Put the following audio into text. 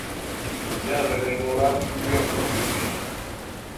Mi ja rememoras iom pri ĝi.